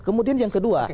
kemudian yang kedua